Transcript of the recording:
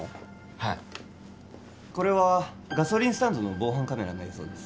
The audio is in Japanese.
はいこれはガソリンスタンドの防犯カメラの映像です